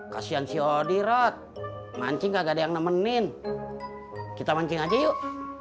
kasian siodi rot mancing kagak ada yang nemenin kita mancing aja yuk